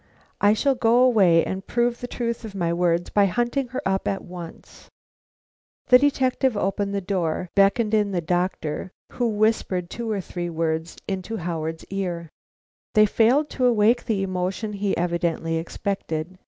I shall go away and prove the truth of my words by hunting her up at once." The detective opened the door, beckoned in the doctor, who whispered two or three words into Howard's ear. They failed to awake the emotion he evidently expected.